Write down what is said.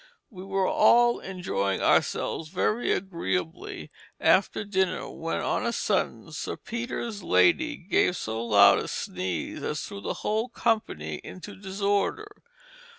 "We were all enjoying ourselves very agreeably after dinner, when on a sudden, Sir Peter's Lady gave so loud a sneeze as threw the whole company into disorder.